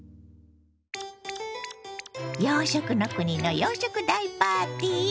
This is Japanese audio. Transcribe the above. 洋食の国の洋食大パーティー